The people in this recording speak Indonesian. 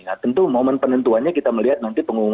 nah tentu momen penentuannya kita melihat nanti pengumuman